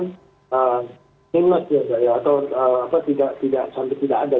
nameless ya atau sampai tidak ada